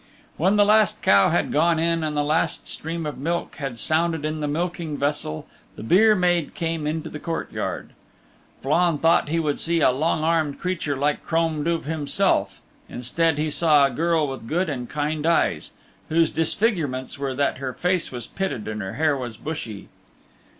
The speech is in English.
When the last cow had gone in and the last stream of milk had sounded in the milking vessel the byre maid came into the courtyard. Flann thought he would see a long armed creature like Crom Duv himself. Instead he saw a girl with good and kind eyes, whose disfigurements were that her face was pitted and her hair was bushy.